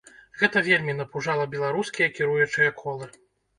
Гэта вельмі напужала беларускія кіруючыя колы.